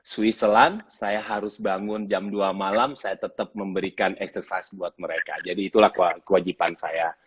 swiss selan saya harus bangun jam dua malam saya tetap memberikan eksersis buat mereka jadi itulah kewajiban saya